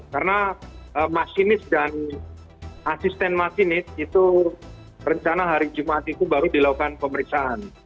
karena masinis dan asisten masinis itu rencana hari jumat itu baru dilakukan pemeriksaan